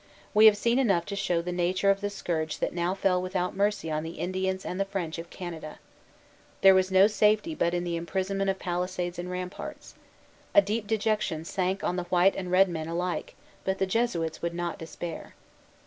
We have seen enough to show the nature of the scourge that now fell without mercy on the Indians and the French of Canada. There was no safety but in the imprisonment of palisades and ramparts. A deep dejection sank on the white and red men alike; but the Jesuits would not despair.